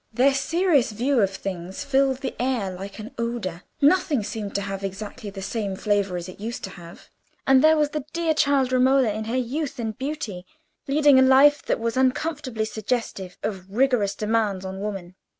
Their serious view of things filled the air like an odour; nothing seemed to have exactly the same flavour as it used to have; and there was the dear child Romola, in her youth and beauty, leading a life that was uncomfortably suggestive of rigorous demands on woman.